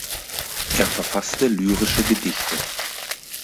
Er verfasste lyrische Gedichte.